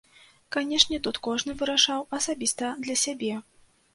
Канешне, тут кожны вырашаў асабіста для сябе.